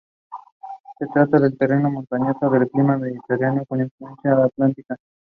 Se trata de un terreno montañoso de clima mediterráneo con influencia atlántica.